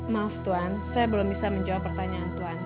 maaf tuan saya belum bisa menjawab pertanyaan tuan